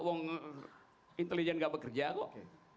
wong intelijen gak bekerja kok